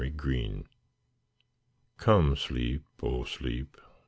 To Sleep COME, Sleep; O Sleep!